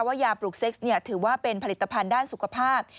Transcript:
ยาปลูกเซ็กซ์ถือว่าเป็นผลิตภัณฑ์ด้านสุขภาพ